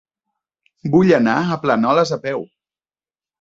Vull anar a Planoles a peu.